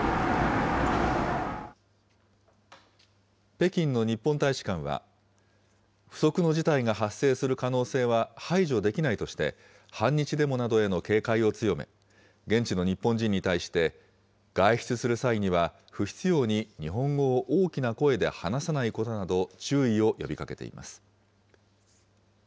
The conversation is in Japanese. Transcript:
北京の日本大使館は、不測の事態が発生する可能性は排除できないとして、反日デモなどへの警戒を強め、現地の日本人に対して、外出する際には不必要に日本語を大きな声で話さないことなど、注意を呼びかけています。